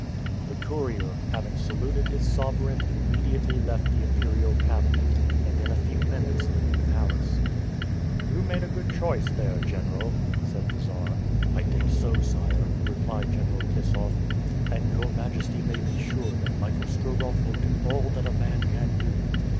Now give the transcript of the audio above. The courier, having saluted his sovereign, immediately left the imperial cabinet, and, in a few minutes, the New Palace. "You made a good choice there, General," said the Czar. "I think so, sire," replied General Kissoff; "and your majesty may be sure that Michael Strogoff will do all that a man can do."